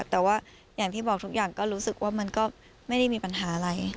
แต่ว่าอย่างที่บอกทุกอย่างก็รู้สึกว่ามันก็ไม่ได้มีปัญหาอะไร